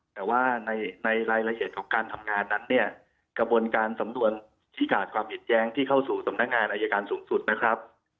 แต่ว่าในรายละเอียดของการทำงานนั้นเนี่ยกระบวนการสำนวนชี้ขาดความผิดแย้งที่เข้าสู่สำนักงานอายการสูงสุดนะครับ